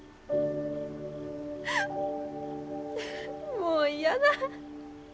もう嫌だ。